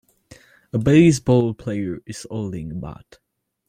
A baseball player is holding a bat.